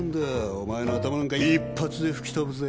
お前の頭なんか一発で吹き飛ぶぜ。